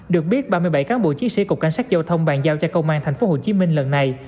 được biết ba mươi bảy cán bộ chiến sĩ cục cảnh sát giao thông bàn giao cho công an tp hcm lần này